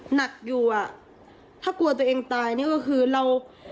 หนักอยู่อ่ะถ้ากลัวตัวเองตายนี่ก็คือเรา